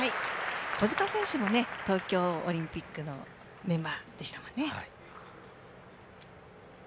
狐塚選手も東京オリンピックのメンバーでしたよね。